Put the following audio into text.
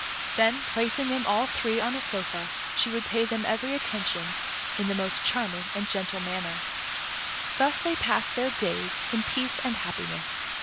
Then, placing them all three on a sofa, she would pay them every attention in the most charming and gentle manner. Thus they passed their days in peace and happiness.